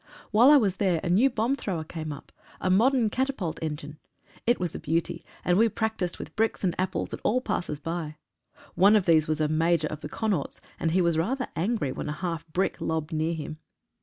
While I was there a new bomb thrower came up — a modern catapult engine. It was a beauty, and we practised with bricks and apples at all passers by. One of these was a major of the Connaughts, and he was rather angry when a half brick lobbed near him.